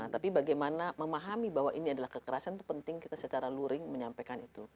tapi bagaimana memahami bahwa ini adalah kekerasan itu penting kita secara luring menyampaikan itu